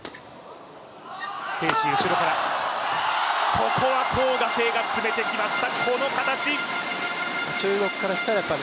ここは黄雅瓊が詰めてきました